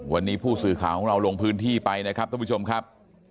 วันนี้ผู้สื่อข่าวของเราลงพื้นที่ไปนะครับท่านผู้ชมครับ